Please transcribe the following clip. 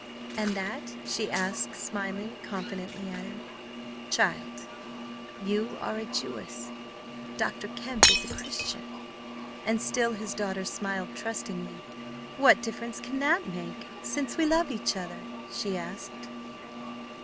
"And that?" she asked, smiling confidently at him. "Child, you are a Jewess; Dr. Kemp is a Christian." And still his daughter smiled trustingly. "What difference can that make, since we love each other?" she asked.